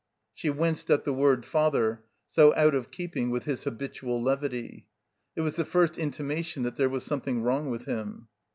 She winced at the word "Father," so out of keep ing with his habitual levity. It was the first in timation that there was something wrong with him.